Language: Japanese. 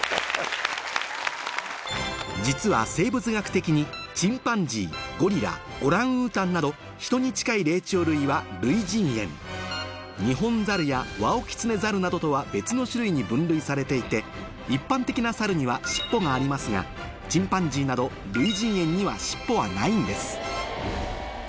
実は生物学的にチンパンジーゴリラオランウータンなど人に近い霊長類は類人猿ニホンザルやワオキツネザルなどとは別の種類に分類されていて一般的なサルにはしっぽがありますがチンパンジーなど類人猿にはしっぽはないんです